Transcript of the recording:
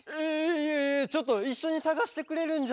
ええちょっといっしょにさがしてくれるんじゃ。